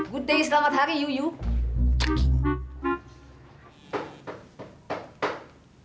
good day selamat hari yuyu